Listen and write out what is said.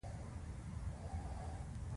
د کوردوبا کې د جنګیاليو څانګه رهبري کېده.